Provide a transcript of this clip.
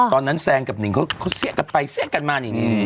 ตอนนั้นแซนกับหนิงเขาเสี้ยกันไปเสี้ยกันมา